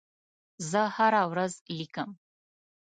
زه هره ورځ لیکم.